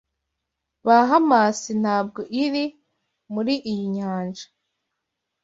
Bahamasi ntabwo iri muri iyi nyanja